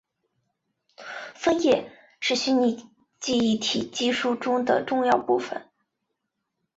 分页是虚拟记忆体技术中的重要部份。